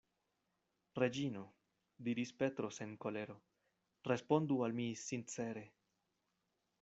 Reĝino, diris Petro sen kolero, respondu al mi sincere.